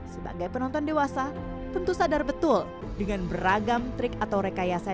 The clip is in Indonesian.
sebagai penonton dewasa tentu sadar betul dengan beragam trik atau rekayasa